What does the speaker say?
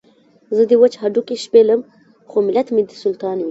زه دې وچ هډوکي شپېلم خو ملت مې دې سلطان وي.